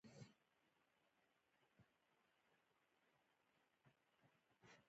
نیچه وایې، که غواړئ شهرت ترلاسه کړئ نو د شرافت څخه لاس واخلئ!